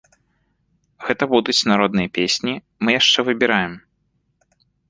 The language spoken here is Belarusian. Гэта будуць народныя песні, мы яшчэ выбіраем.